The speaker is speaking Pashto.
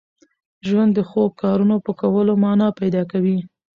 ژوند د ښو کارونو په کولو مانا پیدا کوي.